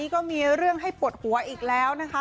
ก็มีเรื่องให้ปวดหัวอีกแล้วนะคะ